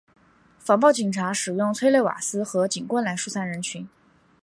防暴警察使用催泪瓦斯和警棍来疏散人群。